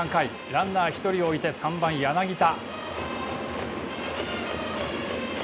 ランナー１人を置いて３番、柳田。